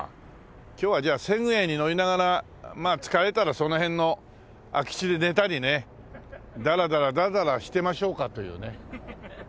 今日はじゃあセグウェイに乗りながらまあ疲れたらその辺の空き地で寝たりねダラダラダラダラしてましょうかというね。